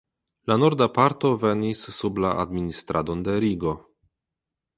La norda parto venis sub la administradon de Rigo.